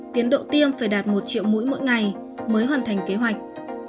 tiến độ tiêm phải đạt một triệu mũi mỗi ngày mới hoàn thành kế hoạch